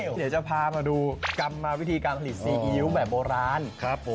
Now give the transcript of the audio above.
เดี๋ยวจะพามาดูกรรมวิธีการผลิตซีอิ๊วแบบโบราณครับผม